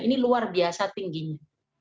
ini luar biasa tingginya